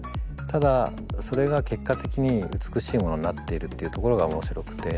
ただそれが結果的に美しいものになっているっていうところが面白くて。